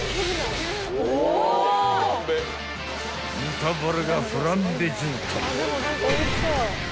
［豚バラがフランベ状態］